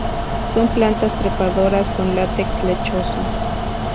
Son plantas trepadoras con látex lechoso.